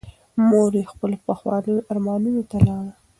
مور یې خپلو پخوانیو ارمانونو ته لاړه.